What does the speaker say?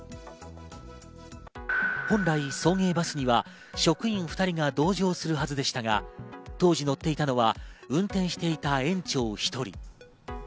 本来、送迎バスには職員２人が同乗するはずでしたが、当時、乗っていたのは運転していた園長１人。